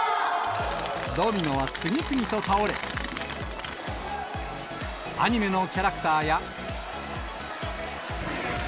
ドミノは次々と倒れ、アニメのキャラクターや。